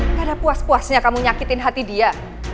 nggak ada puas puasnya kamu nyakitin hati dia